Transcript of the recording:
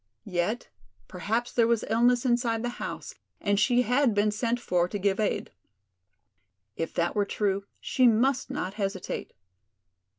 Yet perhaps there was illness inside the house and she had been sent for to give aid. If that were true she must not hesitate.